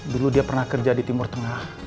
dulu dia pernah kerja di timur tengah